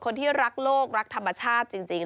คนที่รักโลกรักธรรมชาติจริง